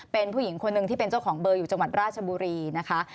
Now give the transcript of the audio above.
เป็นผู้หญิงคนหนึ่งที่เป็นเจ้าของเบอร์อยู่จังหวัดราชบุรีนะคะ